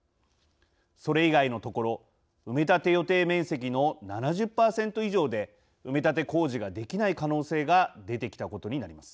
それ以外の所埋め立て予定面積の７０％以上で埋め立て工事ができない可能性が出てきたことになります。